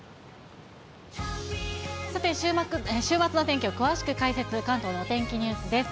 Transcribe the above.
さて、週末の天気を詳しく解説、関東のお天気ニュースです。